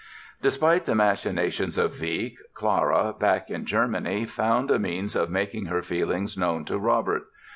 Despite the machinations of Wieck Clara, back in Germany, found a means of making her feelings known to Robert.